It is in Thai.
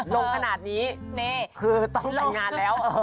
ลงขนาดนี้คือต้องแต่งงานแล้ว